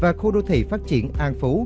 và khu đô thị phát triển an phú